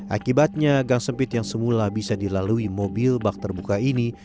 akibatnya gang sempit yang semula bisa dilalui mobil bak terbuka ini